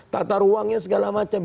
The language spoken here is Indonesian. tata ruangnya segala macam